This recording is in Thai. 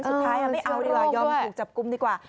สุดท้ายไม่เอาเลยยอมหลุกจับกุ้มดีกว่า